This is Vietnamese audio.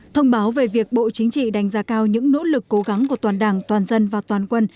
thông báo về việc bộ chính trị đánh giá cao những nỗ lực cố gắng của toàn đảng toàn dân và toàn quân